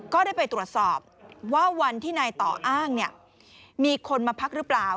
ก็ได้ไปตรวจสอบว่าวันที่นายต่ออ้างมีคนมาพักหรือเปล่า